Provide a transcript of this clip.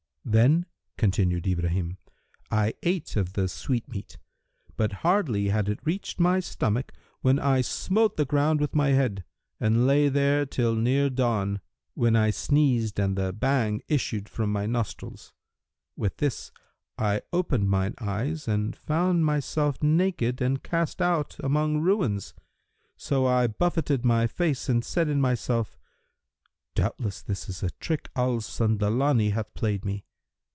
"Then" (continued Ibrahim) "I ate of the sweetmeat, but hardly had it reached my stomach when I smote the ground with my head; and lay there till near dawn, when I sneezed and the Bhang issued from my nostrils. With this, I opened my eyes and found myself naked and cast out among ruins; so I buffeted my face and said in myself, 'Doubtless this is a trick Al Sandalani hath played me.'